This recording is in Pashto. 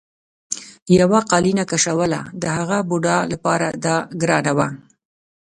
یوه قالینه کشوله د هغه بوډا لپاره دا ګرانه وه.